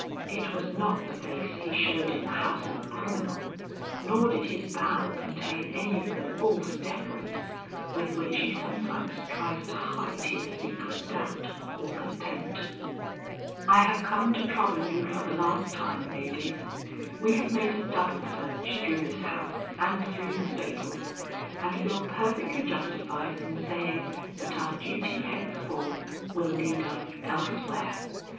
It was not the face he showed in the house of a criminal, nor did his bow contain any of the false deference with which he sometimes tries to hide his secret doubt or contempt. "I have come to trouble you for the last time, ladies. We have made a double search through this house and through the stables, and feel perfectly justified in saying that our duty henceforth will lead us elsewhere.